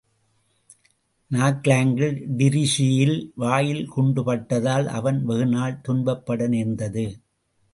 நாக்லாங்கில் டிரீஸியில் வாயில் குண்டு பட்டதால், அவன் வெகுநாள் துன்பப்பட தேர்ந்துது.